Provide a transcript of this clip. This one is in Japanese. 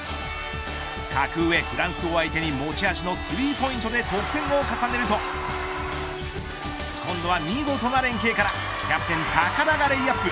格上フランスを相手に持ち味のスリーポイントで得点を重ねると今度は見事な連係からキャプテン高田がレイアップ。